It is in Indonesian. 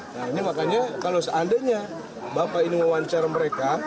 nah ini makanya kalau seandainya bapak ini wawancara mereka